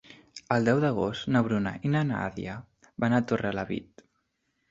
El deu d'agost na Bruna i na Nàdia van a Torrelavit.